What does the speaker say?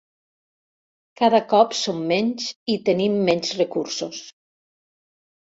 Cada cop som menys i tenim menys recursos.